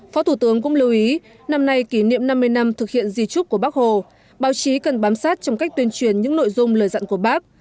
phó thủ tướng cũng lưu ý năm nay kỷ niệm năm mươi năm thực hiện di trúc của bác hồ báo chí cần bám sát trong cách tuyên truyền những nội dung lời dặn của bác